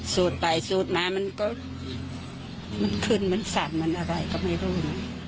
ไปสูดมามันก็มันขึ้นมันสั่นมันอะไรก็ไม่รู้นะ